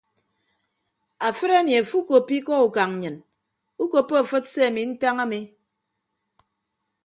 Afịt emi afo ukoppo ikọ ukañ nnyịn ukoppo afịt se ami ntañ ami.